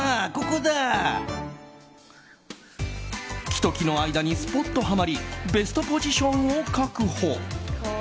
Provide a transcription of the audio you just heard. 木と木の間にスポッとはまりベストポジションを確保。